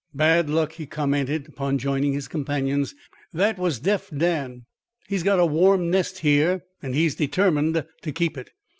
"Bad luck," he commented, upon joining his companions. "That was Deaf Dan. He's got a warm nest here, and he's determined to keep it.